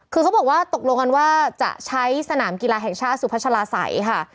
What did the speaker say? คือเขาบอกว่าตกลงกันว่าจะใช้สนามกีฬาแห่งชาติสุพัชลาศัยค่ะ